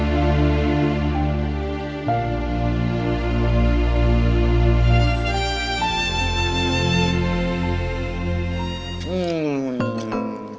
kamu masih wrecking sungguh